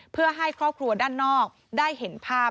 เพื่อให้ครอบครัวด้านนอกได้เห็นภาพ